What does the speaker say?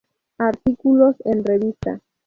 Artículos en revista